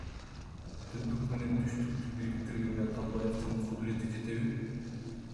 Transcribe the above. Түндүк менен түштүктү бириктиргенге Атамбаевдин кудурети жетеби?